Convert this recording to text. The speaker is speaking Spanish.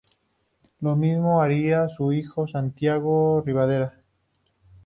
Lo mismo haría su hijo Santiago Rivadavia.